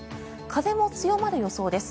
風も強まる予想です。